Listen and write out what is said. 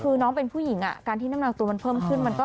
คือน้องเป็นผู้หญิงการที่น้ำหนักตัวมันเพิ่มขึ้น